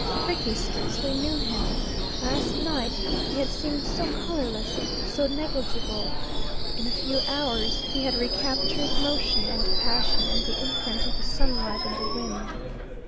Rickie scarcely knew him; last night he had seemed so colorless, no negligible. In a few hours he had recaptured motion and passion and the imprint of the sunlight and the wind.